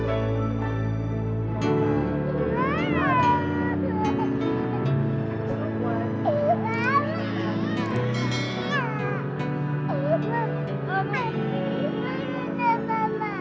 pokoknya adik masih heran disini aja